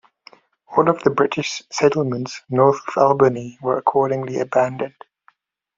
All of the British settlements north of Albany were accordingly abandoned.